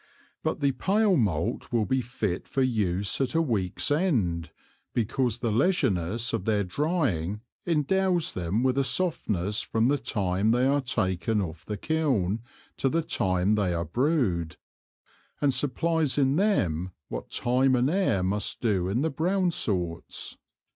But the pale Malt will be fit for use at a Week's end, because the leisureness of their drying endows them with a softness from the time they are taken off the Kiln to the time they are brewed, and supplies in them what Time and Air must do in the brown sorts.